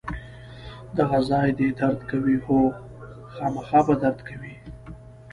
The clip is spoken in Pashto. دغه ځای دې درد کوي؟ هو، خامخا به درد کوي.